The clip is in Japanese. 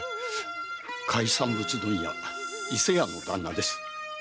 海産物問屋伊勢屋の旦那です。